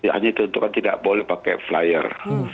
hanya ditentukan tidak boleh pakai flyer